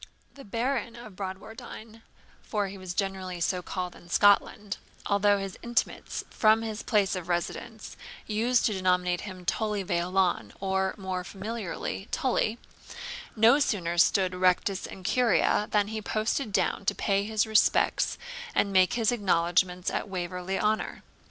The Baron of Bradwardine, for he was generally so called in Scotland (although his intimates, from his place of residence, used to denominate him Tully Veolan, or more familiarly, Tully), no sooner stood rectus in curia than he posted down to pay his respects and make his acknowledgments at Waverley Honour.